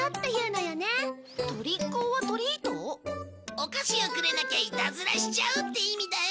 「お菓子をくれなきゃイタズラしちゃう」って意味だよ。